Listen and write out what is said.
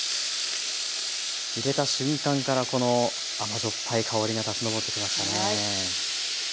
入れた瞬間からこの甘塩っぱい香りが立ち上ってきましたね。